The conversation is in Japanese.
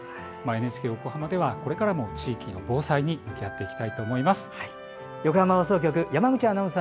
ＮＨＫ横浜ではこれからも地域の防災に向き合っていきたいと思います。